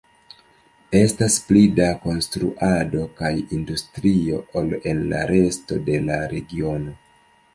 Estas pli da konstruado kaj industrio ol en la resto de la regiono.